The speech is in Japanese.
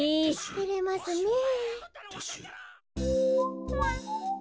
てれますねえ。